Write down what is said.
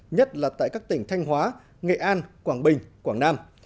nhất là tại các tỉnh thanh hóa nghệ an quảng bình quảng nam